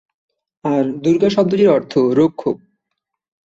আর দুর্গা শব্দটির অর্থ রক্ষক।